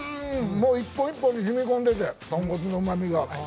もう１本１本に染み込んでて、豚骨のうまみが。